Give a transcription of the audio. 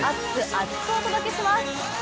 厚く！お届けします。